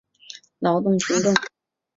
劳动群众。